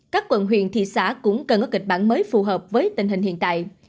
các quận huyện thị xã cũng cần có kịch bản mới phù hợp với tình hình hiện tại